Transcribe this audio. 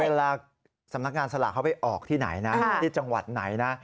เวลาสำนักงานสลากเขาไปออกที่ไหนนะที่จังหวัดไหนนะ